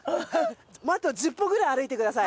あと１０歩ぐらい歩いてください。